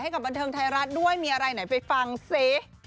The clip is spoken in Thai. กับบันเทิงไทยรัฐด้วยมีอะไรไหนไปฟังซิ